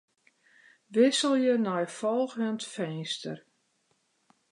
Wikselje nei folgjend finster.